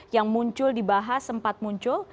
yang muncul dibahas sempat muncul